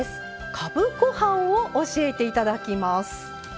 かぶご飯を教えていただきます。